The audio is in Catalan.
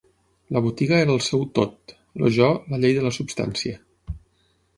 La botiga era el seu Tot. El Jo, la llei de la substancia